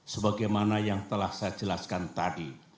sebagaimana yang telah saya jelaskan tadi